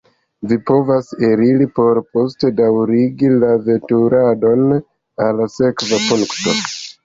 Vi povas eliri por poste daŭrigi la veturadon al sekva punkto.